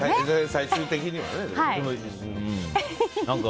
最終的にはね。何か。